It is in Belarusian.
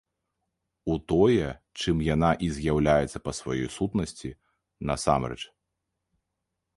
У тое, чым яна і з'яўляецца па сваёй сутнасці насамрэч.